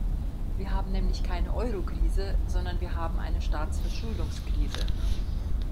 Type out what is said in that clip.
Wir haben nämlich keine Eurokrise, sondern wir haben eine Staatsverschuldungskrise.